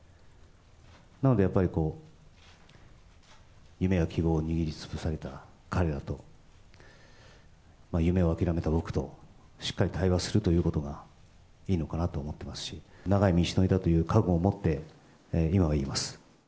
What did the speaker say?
なのでやっぱり、夢や希望を握りつぶされた彼らと、夢を諦めた僕と、しっかり対話するということがいいのかなと思ってますし、長い道のりだという覚悟を持って、今はいます。